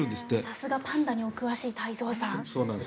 さすがパンダにお詳しい太蔵さん。